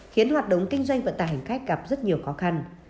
khiến hoạt động kinh doanh vận tải hành khách gặp rất nhiều khó khăn